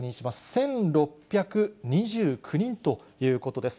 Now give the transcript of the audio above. １６２９人ということです。